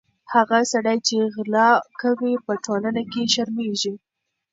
هغه سړی چې غلا کوي، په ټولنه کې شرمېږي.